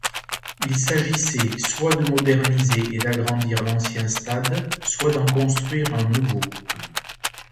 Il s'agissait soit de moderniser et d'agrandir l'ancien stade, soit d'en construire un nouveau.